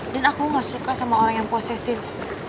dan aku gak suka sama orang yang posesif